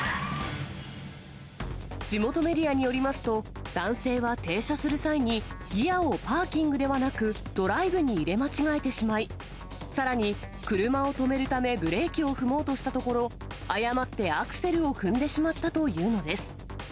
地元メディアによりますと、男性は停車する際にギアをパーキングではなく、ドライブに入れ間違えてしまい、さらに車を止めるためブレーキを踏もうとしたところ、誤ってアクセルを踏んでしまったというのです。